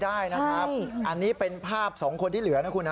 อันนี้เป็นภาพสองคนที่เหลือนะคุณนะ